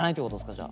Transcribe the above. じゃあ。